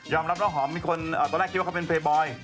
ตอนแรกคิดว่าเขาเป็นเพย์บอย